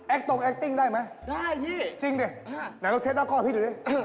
แอคตรงแอคติ้งได้ไหมจริงดิไหนเราเท็จด้านข้อให้พี่ดูดิ